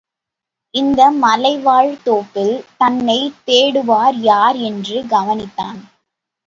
இந்த மலைவாழைத் தோப்பில் தன்னைத் தேடுவார் யார் என்று கவனித்தான்.